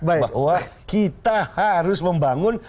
bahwa kita harus membangun